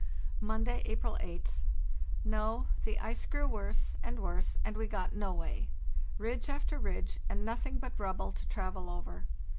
"Monday, April 8th. No; the ice erew worse and worse, and we got no way. Ridge after ridge, and nothing but rubble to travel over.